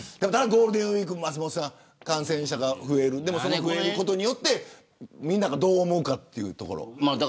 ゴールデンウイーク松本さん、感染者が増えるその増えることでみんながどう思うかというところ。